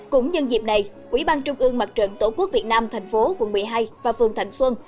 cũng nhân dịp này quỹ ban trung ương mặt trận tổ quốc việt nam thành phố quận một mươi hai và phường thành xuân